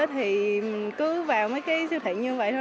thì cứ vào mấy cái siêu thị như vậy thôi